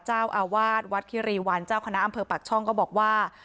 เจ้าอาวาสวัดคิรีวันเจ้าคณะอำเภอปากช่องก็บอกว่า